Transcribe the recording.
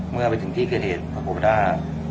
เมื่อไปถึงพี่เขทธิสประโยธราชเอง